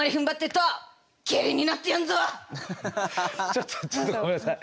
ちょっとちょっとごめんなさい。